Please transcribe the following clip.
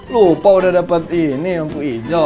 lupa udah dapat ini lampu hijau